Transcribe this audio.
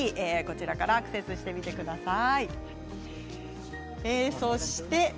アクセスしてみてください。